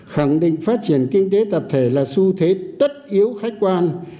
khẳng định phát triển kinh tế tập thể là xu thế tất yếu khách quan